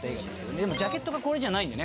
でもジャケットがこれじゃないんでね